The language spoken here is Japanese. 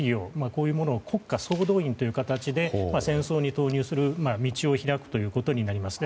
こういうものを国家総動員という形で戦争に投入する道を開くということになります。